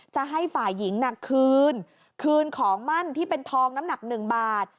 จะให้ฝ่ายหญิงน่ะคืนคืนของมั่นที่เป็นทองน้ำหนัก๑บาท